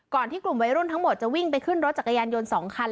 ที่กลุ่มวัยรุ่นทั้งหมดจะวิ่งไปขึ้นรถจักรยานยนต์๒คัน